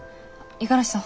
五十嵐さん